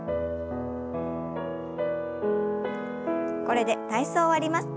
これで体操を終わります。